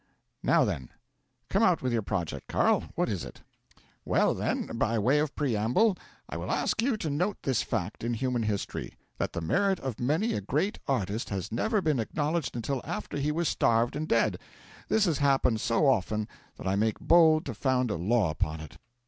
Now, then come out with your project, Carl. What is it?" '"Well, then, by way of preamble I will ask you to note this fact in human history: that the merit of many a great artist has never been acknowledged until after he was starved and dead. This has happened so often that I make bold to found a law upon it.